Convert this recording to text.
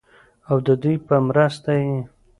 او ددوي پۀ مرسته ئې